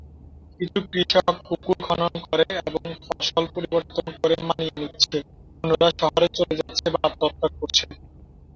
কিছু কৃষক পুকুর খনন করে এবং ফসল পরিবর্তন করে মানিয়ে নিচ্ছে, অন্যরা শহরে চলে যাচ্ছে বা আত্মহত্যা করছে।